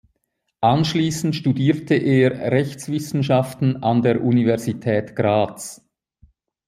Anschließend studierte er Rechtswissenschaften an der Universität Graz.